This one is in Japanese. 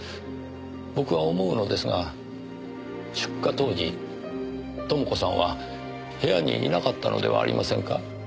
僕は思うのですが出火当時朋子さんは部屋にいなかったのではありませんか？